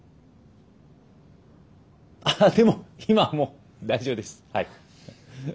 あでも今はもう大丈夫ですはい。